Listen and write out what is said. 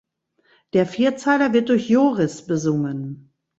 Der Vierzeiler wird durch Joris besungen.